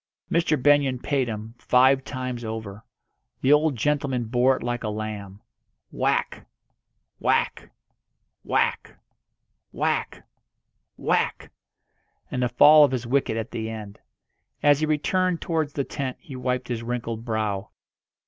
Mr. Benyon paid him, five times over. The old gentleman bore it like a lamb. Whack whack whack whack whack! and the fall of his wicket at the end. As he returned towards the tent he wiped his wrinkled brow.